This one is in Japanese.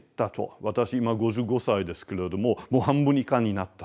私今５５歳ですけれどももう半分以下になったと。